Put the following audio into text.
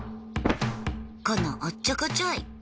このおっちょこちょい！